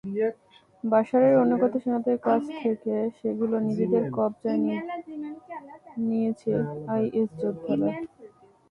বাশারের অনুগত সেনাদের কাছ থেকে সেগুলো নিজেদের কবজায় নিয়েছে আইএস যোদ্ধারা।